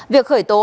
việc khởi tố